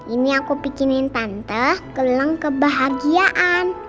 ini aku pikirin tante gelang kebahagiaan